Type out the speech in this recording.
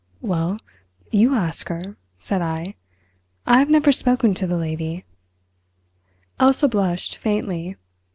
"Well, you ask her," said I. "I have never spoken to the lady." Elsa blushed faintly.